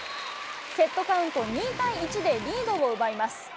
セットカウント２対１でリードを奪います。